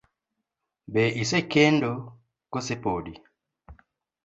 Be isekendo kose podi.